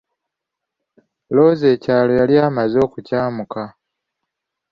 Loozi ekyalo yali amaze okukyamuka.